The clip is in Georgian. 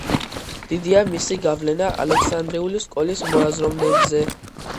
დიდია მისი გავლენა ალექსანდრიული სკოლის მოაზროვნეებზე.